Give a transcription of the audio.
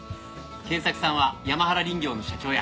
賢作さんは山原林業の社長や。